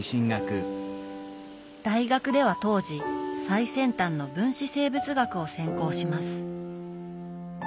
大学では当時最先端の分子生物学を専攻します。